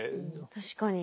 確かに。